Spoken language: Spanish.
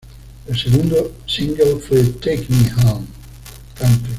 El segundo single fue "Take Me Home".